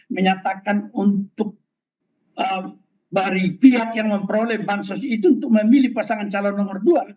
menyatakan untuk dari pihak yang memperoleh bansos itu untuk memilih pasangan calon nomor dua